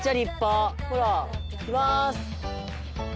ほらいきます。